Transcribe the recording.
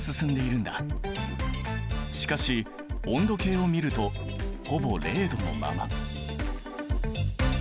しかし温度計を見るとほぼ０℃のまま。